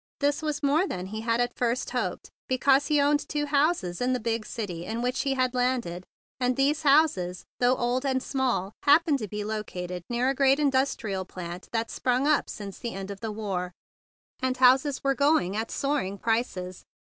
This was more than he had at first hoped, because of the fact that he owned two houses in the big city in which he had landed; and these houses, though old and small, happened to be located in the vicinity of a great indus¬ trial plant that had sprung up since the end of the war, and houses were going at soaring prices.